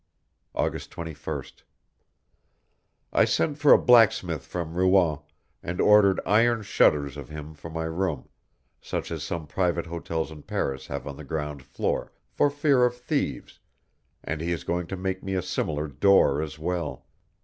August 21st. I sent for a blacksmith from Rouen, and ordered iron shutters of him for my room, such as some private hotels in Paris have on the ground floor, for fear of thieves, and he is going to make me a similar door as well.